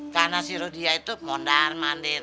karena si rodia itu mondar mandir